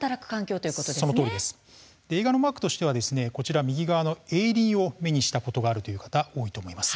映画のマークとしてはこちら右側の映倫を目にしたことがあるという方多いと思います。